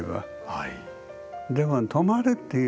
はい。